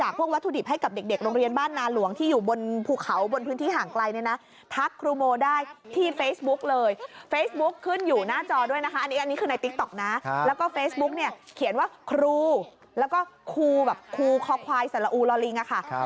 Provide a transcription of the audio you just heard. คือครูข้อควายสระอูรอลิงค่ะ